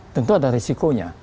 tentu ada risikonya